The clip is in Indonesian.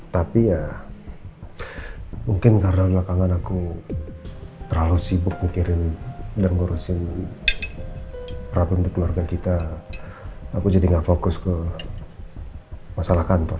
tapi ya mungkin karena belakangan aku terlalu sibuk mikirin dan ngurusin rapun di keluarga kita aku jadi gak fokus ke masalah kantor